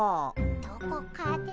どこかで。